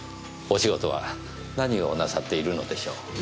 お仕事は何をなさっているのでしょう？